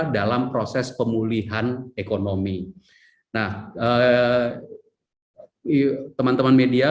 dalam proses pemulihan ekonomi nah teman teman media